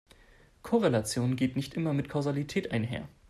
Korrelation geht nicht immer mit Kausalität einher.